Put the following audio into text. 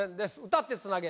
歌ってつなげ！